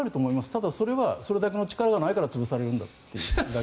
ただ、それはそれだけの力がないから潰されるんだと。